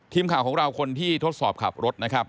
ทีมข่าวของเราคนที่ทดสอบขับรถนะครับ